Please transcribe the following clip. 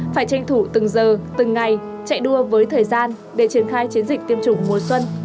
phải tranh thủ từng giờ từng ngày chạy đua với thời gian để triển khai chiến dịch tiêm chủng mùa xuân